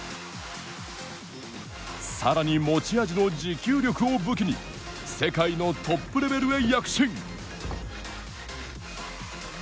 さらに持ち味の持久力を武器に世界のトップレベルへ躍進。